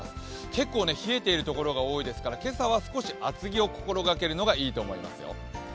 結構冷えているところが多いですから、今朝は少し厚着を心がけるのがいいと思いますよ。